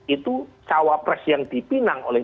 itu cawapres yang dipinang oleh